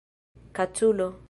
kaculo